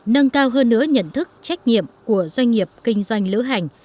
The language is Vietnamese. nâng cao hơn nữa nhận thức trách nhiệm của doanh nghiệp kinh doanh lữ hành